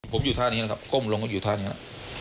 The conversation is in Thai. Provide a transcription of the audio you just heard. ผมอยู่ท่านี้นะครับก้มลงก็อยู่ท่านี้